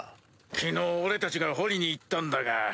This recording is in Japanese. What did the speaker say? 昨日俺たちが掘りに行ったんだが。